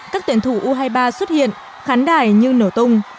các tuyển thủ u hai mươi ba xuất hiện khán đài như nổ tung